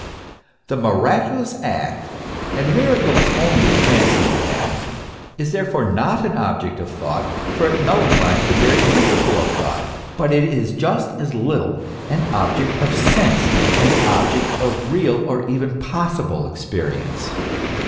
The miraculous act and miracle is only a transient act is therefore not an object of thought, for it nullifies the very principle of thought; but it is just as little an object of sense, an object of real or even possible experience.